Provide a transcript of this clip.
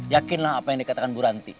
yakin lah apa yang dikatakan bu ranti